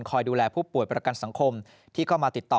ดูแลผู้ป่วยประกันสังคมที่เข้ามาติดต่อ